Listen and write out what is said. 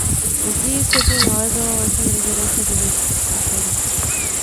Později se tu nalézala letní rezidence byzantských císařů.